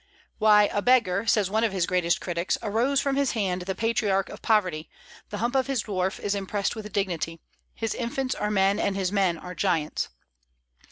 Why, "a beggar," says one of his greatest critics, "arose from his hand the patriarch of poverty; the hump of his dwarf is impressed with dignity; his infants are men, and his men are giants."